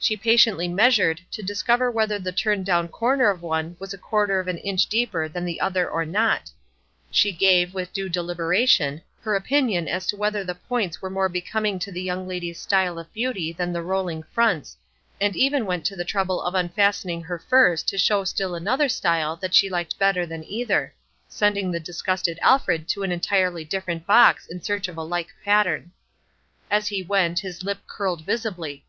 She patiently measured to discover whether the turned down corner of one was a quarter of an inch deeper than the other or not; she gave, with due deliberation, her opinion as to whether the points were more becoming to the young lady's style of beauty than the rolling fronts, and even went to the trouble of unfastening her furs to show still another style that she liked better than either; sending the disgusted Alfred to an entirely different box in search of a like pattern. As he went, his lip curled visibly.